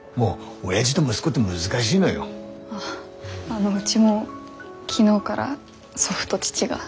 あのうちも昨日から祖父と父がぶつかってて。